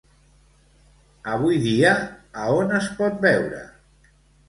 Avui dia, a on es pot veure?